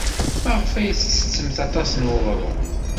Maɣef ay tettettemt aṭas n uɣrum?